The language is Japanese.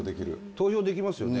投票できますよね。